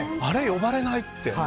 呼ばれないって。